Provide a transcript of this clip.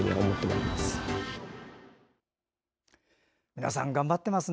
皆さん頑張っていますね。